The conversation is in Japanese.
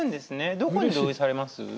どこに同意されます？